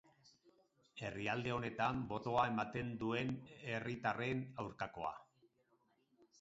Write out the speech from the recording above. Herrialde honetan botoa ematen duen herritarren aurkakoa.